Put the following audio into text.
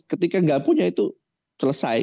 ketika nggak punya itu selesai